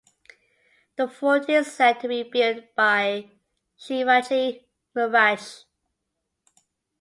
The fort is said to be built by Shivaji Maharaj.